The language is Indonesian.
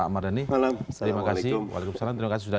mardani terima kasih